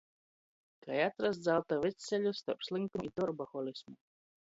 Kai atrast zalta vydsceļu storp slynkumu i dorbaholismu?